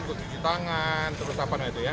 untuk cuci tangan terus apa namanya itu ya